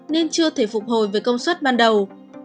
nên chưa thể phục hồi về công suất ban đầu